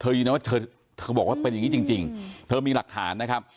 ยินนะว่าเธอบอกว่าเป็นอย่างนี้จริงเธอมีหลักฐานนะครับ